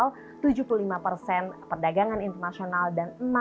lebih datang dariarily keuarga